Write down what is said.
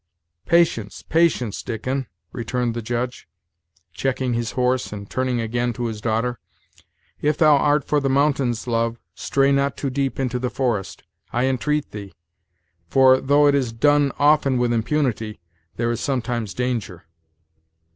"Patience, patience, Dickon," returned the Judge, checking his horse and turning again to his daughter. "If thou art for the mountains, love, stray not too deep into the forest. I entreat thee; for, though it is done often with impunity, there is sometimes danger."